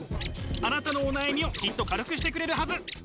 あなたのお悩みをきっと軽くしてくれるはず。